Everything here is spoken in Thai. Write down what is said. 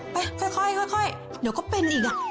ไปค่อยเดี๋ยวก็เป็นอีก